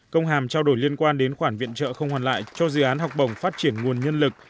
công hàm trao đổi liên quan đến khoản viện trợ không hoàn lại cho dự án học bổng phát triển nguồn nhân lực